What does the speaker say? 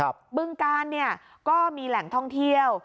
บึงกาลเนี่ยก็มีแหล่งท่องเที่ยว